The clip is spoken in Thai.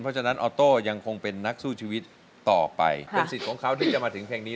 เพราะฉะนั้นออโต้ยังคงเป็นนักสู้ชีวิตต่อไปเป็นสิทธิ์ของเขาที่จะมาถึงเพลงนี้